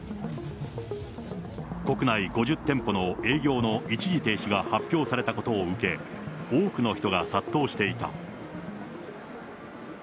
国内５０店舗の営業の一時停止が発表されたことを受け、多くの人が殺到していた。